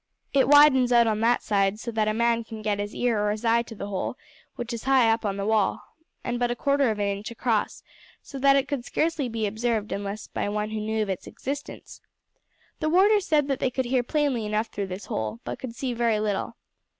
It widens out on that side so that a man can get his ear or his eye to the hole, which is high up upon the wall, and but a quarter of an inch across, so that it could scarcely be observed unless by one who knew of its existence. The warder said that they could hear plainly enough through this hole, but could see very little.